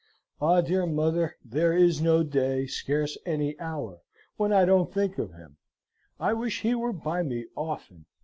Ah, dear mother! There is no day, scarce any hour, when I don't think of him. I wish he were by me often.